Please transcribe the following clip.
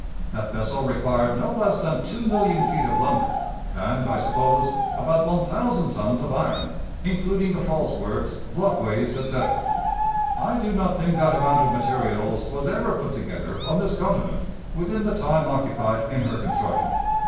That vessel required no less than two million feet of lumber, and, I suppose, about one thousand tons of iron, including the false works, blockways, etc. I do not think that amount of materials was ever put together on this continent within the time occupied in her construction.